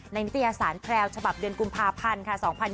ในนิตยาศาลแพรวฉบับเดือนกุมภาพันธ์๒๐๒๑